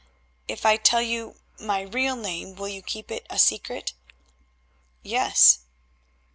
"If I tell you my real name, will you keep it secret?" "Yes."